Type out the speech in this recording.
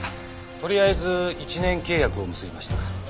とりあえず１年契約を結びました。